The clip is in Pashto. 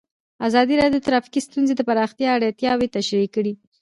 ازادي راډیو د ټرافیکي ستونزې د پراختیا اړتیاوې تشریح کړي.